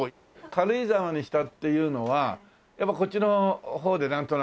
軽井沢にしたっていうのはやっぱこっちの方でなんとなくお店をしたかった？